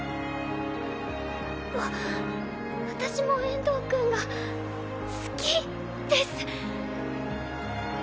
わ私も遠藤くんが好きです。